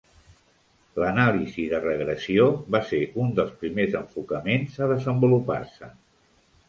L'anàlisi de regressió va ser un dels primers enfocaments a desenvolupar-se.